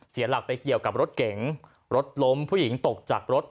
เสียหลักไปเกี่ยวกับรถเก๋งรถล้มผู้หญิงตกจากรถ